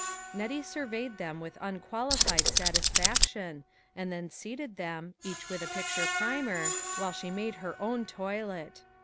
Nettie surveyed them with unqualified satisfaction, and then seated them, each with a picture primer, while she made her own toilet.